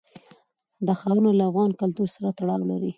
دا ښارونه له افغان کلتور سره تړاو لري.